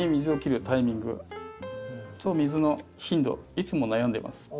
「いつも悩んでます」。